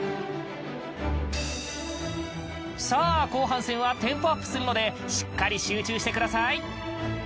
さあ、後半戦はテンポアップするのでしっかり集中してください！